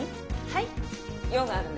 はい。